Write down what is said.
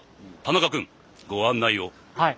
はい。